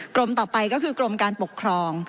ต่อไปก็คือกรมการปกครอง